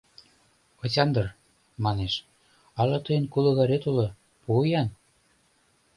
— Осяндр, — манеш, — ала тыйын кулыгарет уло, пу-ян?